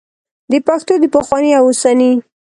د پښتو د پخواني او اوسني